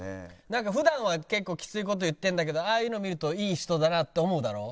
なんか普段は結構きつい事言ってるんだけどああいうの見るといい人だなと思うだろ？